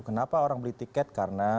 kenapa orang beli tiket karena